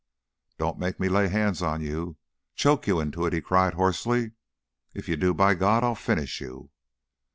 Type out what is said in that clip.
"Don't make me lay hands on you choke you into it," he cried, hoarsely. "If you do, by God, I'll finish you!"